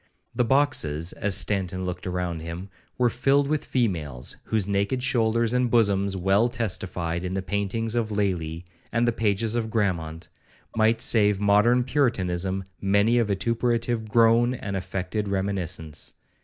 The boxes, as Stanton looked round him, were filled with females, whose naked shoulders and bosoms, well testified in the paintings of Lely, and the pages of Grammont, might save modern puritanism many a vituperative groan and affected reminiscence.